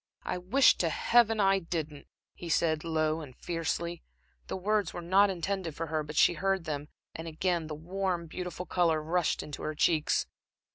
"I wish to Heaven I didn't," he said, low and fiercely. The words were not intended for her, but she heard them and again the warm, beautiful color rushed into her cheeks.